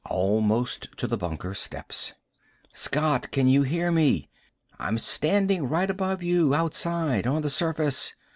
Almost to the bunker steps. "Scott! Can you hear me? I'm standing right above you. Outside. On the surface.